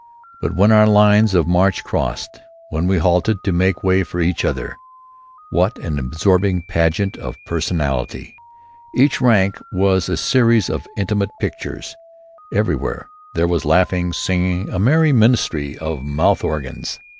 But when our lines of march crossed, when we halted to make way for each other, what an absorbing pageant of personality! Each rank was a series of intimate pictures. Everywhere there was laughing, singing, a merry minstrelsy of mouth organs.